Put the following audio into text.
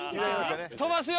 飛ばすよ。